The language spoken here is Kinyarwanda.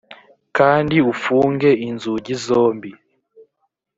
kandi ufunge inzugi zombi.